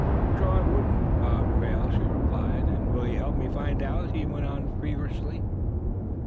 "Sure I wudn't, Bob Quail," she replied. "And will you help me find out?" he went on, feverishly.